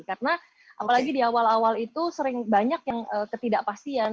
karena apalagi di awal awal itu sering banyak yang ketidakpastian